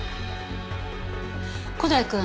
古代くん。